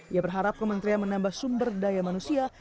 ia berharap kementerian menambah sumber daya manusia